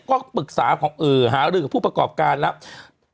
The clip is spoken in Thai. ก็ปรึกษาหารือกับผู้ประกอบการแล้ว